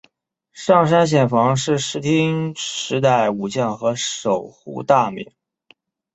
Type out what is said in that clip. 上杉显房是室町时代武将和守护大名。